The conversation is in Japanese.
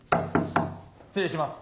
失礼します。